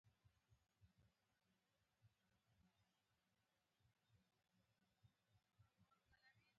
دا د شیانو له منځه تلو څخه عبارت دی.